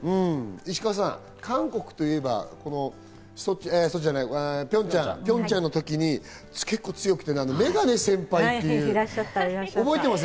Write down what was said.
石川さん、韓国といえばピョンチャンの時に結構強くて、メガネ先輩っていう、覚えてます？